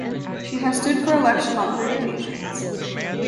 She has stood for election on three occasions.